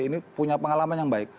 ini punya pengalaman yang baik